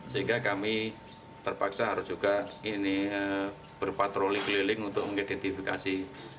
sehingga kami terpaksa harus juga berpatroli keliling untuk mengidentifikasi